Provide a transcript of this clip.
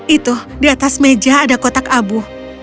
itu di atas meja ada kotak abu